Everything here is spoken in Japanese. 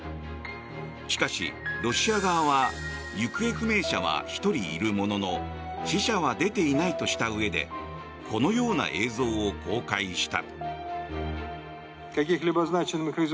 しかし、ロシア側は行方不明者は１人いるものの死者は出ていないとしたうえでこのような映像を公開した。